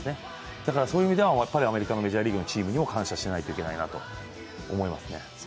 だから、彼はアメリカのメジャーリーグのチームにも感謝しないといけないなと思います。